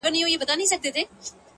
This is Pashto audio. که مي د دې وطن له کاڼي هم کالي څنډلي،